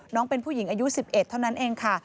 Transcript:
น้องเป็นผู้หญิงอายุ๑๑เท่านั้นเองค่ะ